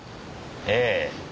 ええ。